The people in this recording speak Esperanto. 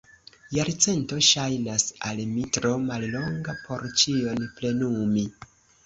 Jarcento ŝajnas al mi tro mallonga, por ĉion plenumi!